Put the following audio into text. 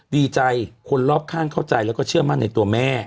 ดีใจคนรอบข้างเข้าใจแล้วก็เชื่อมั่นในตัวแม่